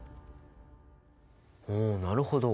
おなるほど。